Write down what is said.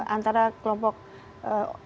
antara kelompok non papua